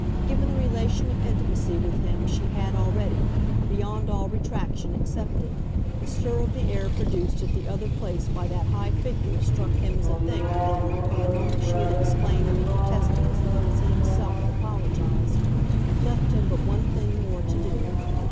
Given the relation of intimacy with him she had already, beyond all retractation, accepted, the stir of the air produced at the other place by that high figure struck him as a thing that, from the moment she had exclaimed or protested as little as he himself had apologised, left him but one thing more to do.